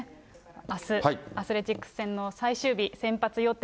あす、アスレチックス戦の最終日、先発予定。